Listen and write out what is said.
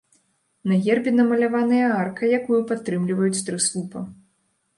На гербе намаляваная арка, якую падтрымліваюць тры слупа.